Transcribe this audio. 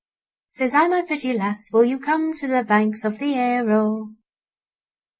Says I, My pretty lass, will you come to the banks of the Aire oh?